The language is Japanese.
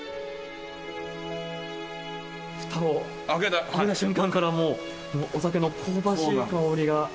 ふたを開けた瞬間からもう、お酒の香ばしい香りが。